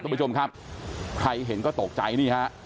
คุณผู้ชมครับใครเห็นก็ตกใจนี่ฮะ